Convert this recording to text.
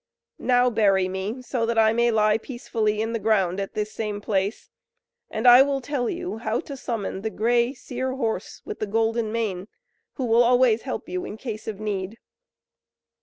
Now bury me, so that I may lie peacefully in the ground at this same place, and I will tell you how to summon the Grey Seer horse, with the golden mane, who will always help you in case of need.